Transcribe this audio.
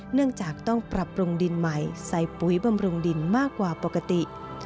เนื่องจากต้องปรับปรุงดินใหม่ใส่ปุ๋ยบำรุงดินมากกว่าปกติ